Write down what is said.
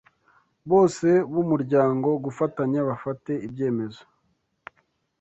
bose b'umuryango gufatanya bafate ibyemezo